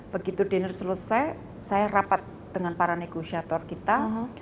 begitu dinner selesai saya rapat dengan para negosiator kita